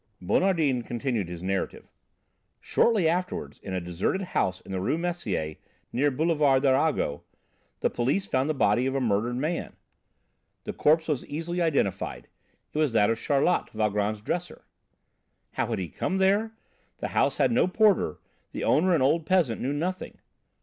Bonardin continued his narrative: "Shortly afterwards in a deserted house in the Rue Messier, near Boulevard Arago, the police found the body of a murdered man. The corpse was easily identified; it was that of Charlot, Valgrand's dresser." "How did he come there? The house had no porter: the owner, an old peasant, knew nothing."